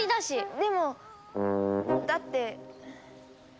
でも！だって。